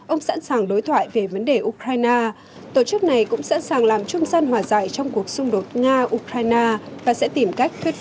ông sẵn sàng đối thoại về vấn đề ukraine tổ chức này cũng sẵn sàng làm chung dân hòa giải trong cuộc xung đột nga ukraine và sẽ tìm cách thuyết phục kiev